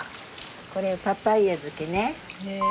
これパパイヤ漬けね。